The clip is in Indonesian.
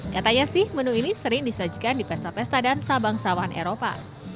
katanya sih menu ini sering disajikan di pesta pesta dan sabang sawahan eropa